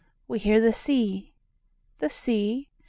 We hear the sea. The sea?